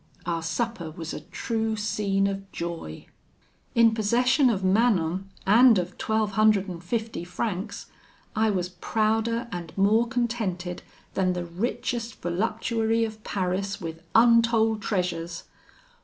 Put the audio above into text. Our supper was a true scene of joy. "In possession of Manon and of twelve hundred and fifty francs, I was prouder and more contented than the richest voluptuary of Paris with untold treasures.